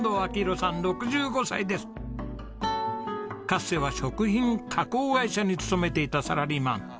かつては食品加工会社に勤めていたサラリーマン。